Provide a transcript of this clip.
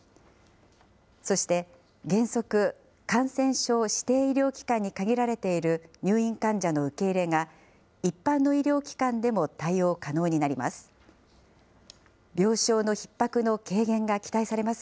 そして原則、感染症指定医療機関に限られている入院患者の受け入れが、一般の医療機関でも対応可能になります。